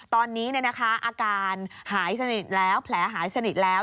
ตอนนี้อาการหายสนิทแล้วแผลหายสนิทแล้ว